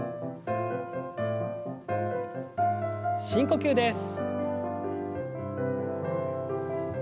深呼吸です。